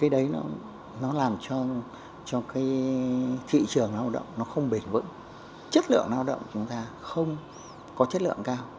đấy nó làm cho thị trường lao động nó không bền vững chất lượng lao động chúng ta không có chất lượng cao